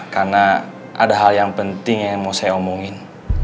karena ada hal yang penting yang mau saya omongin